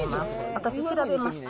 私調べました。